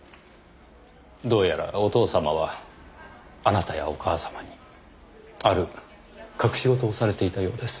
どうやらお父様はあなたやお母様にある隠し事をされていたようです。